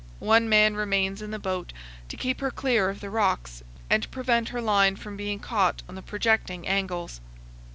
One man remains in the boat to keep her clear of the rocks and prevent her line from being caught on the projecting angles.